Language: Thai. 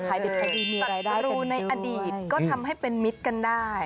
สัตว์ตรูในอดีตก็ทำให้เป็นมิตรกันได้